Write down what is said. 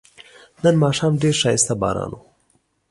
نن ماښام ډیر خایسته باران و